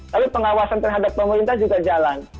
lalu pengawasan terhadap pemerintah juga jalan